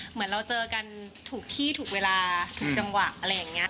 เหมือนเราเจอกันถูกที่ถูกเวลาถูกจังหวะอะไรอย่างนี้